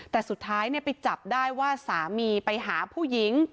แต่สุดท้ายไปจับได้ว่าสามีไปหาผู้หญิง